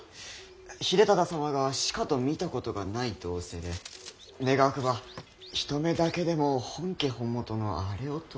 秀忠様がしかと見たことがないと仰せで願わくば一目だけでも本家本元のあれをと。